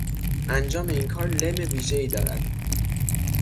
انجام این کار لم ویژهای دارد.